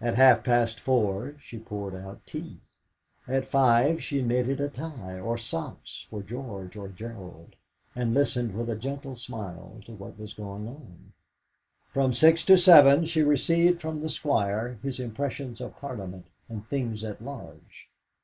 At half past four she poured out tea. At five she knitted a tie, or socks, for George or Gerald, and listened with a gentle smile to what was going on. From six to seven she received from the Squire his impressions of Parliament and things at large.